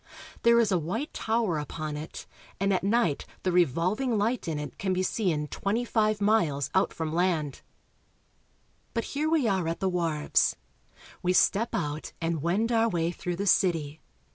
There is a white tower upon it, and at night the revolving light in it can be seen twenty five miles out from land. But here we are at the wharves. We step out and wend our way through the city.